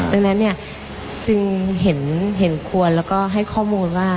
ดังนั้นเนี่ยจึงเห็นควรแล้วก็ให้ข้อมูลว่า